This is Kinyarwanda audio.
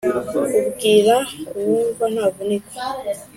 Ubwira uwumva ntavunika